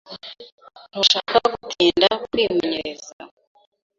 Ntushaka gutinda kwimenyereza.